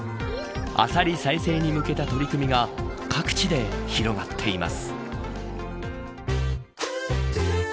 アサリ再生に向けた取り組みが各地で広がっています。